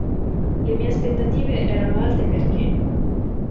Le mie aspettative erano alte perché.